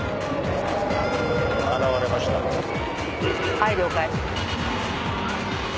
はい了解。